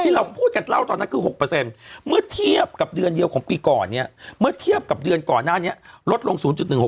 เราพูดกันเล่าตอนนั้นคือ๖เมื่อเทียบกับเดือนเดียวของปีก่อนเนี่ยเมื่อเทียบกับเดือนก่อนหน้านี้ลดลง๐๑๖